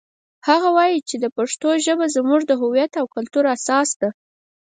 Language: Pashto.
هغه وایي چې د پښتو ژبه زموږ د هویت او کلتور اساس ده